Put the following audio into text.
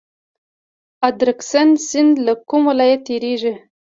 ادرسکن سیند له کوم ولایت تیریږي؟